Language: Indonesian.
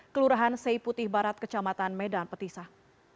kelurahan seiputih barat kecamatan medan petisah